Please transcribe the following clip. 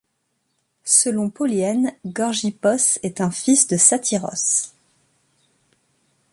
Selon Polyen, Gorgippos est un fils de Satyros.